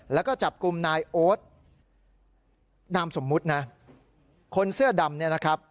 แล้วก็จับกลุ่มนายโอ๊ตนามสมมุตินะคนเสื้อดำเนี่ยนะครับ